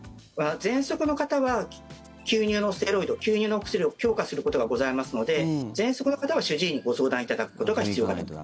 ぜんそくの方は吸入のステロイド、吸入のお薬を強化することがございますのでぜんそくの方は主治医にご相談いただくことが必要かと。